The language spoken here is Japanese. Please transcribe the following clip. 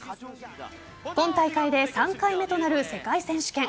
今大会で３回目となる世界選手権。